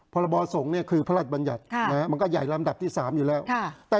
พรบสงฆ์คือพระราชบัญญัติมันก็ใหญ่ลำดับที่๓อยู่แล้ว